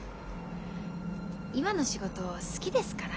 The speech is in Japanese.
今の仕事好きですから。